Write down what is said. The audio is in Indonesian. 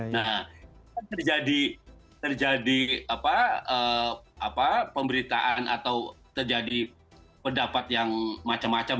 nah terjadi pemberitaan atau terjadi pendapat yang macam macam